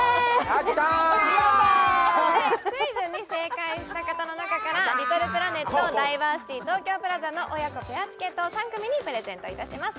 クイズに正解した方の中からリトルプラネットダイバーシティ東京プラザの親子ペアチケットを３組にプレゼントいたします